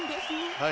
はい。